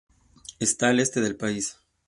Está al este del país.